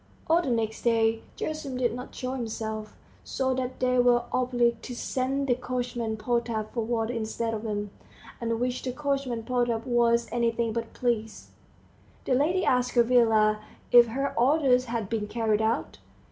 All the next day Gerasim did not show himself, so that they were obliged to send the coachman Potap for water instead of him, at which the coachman Potap was anything but pleased. The lady asked Gavrila if her orders had been carried out.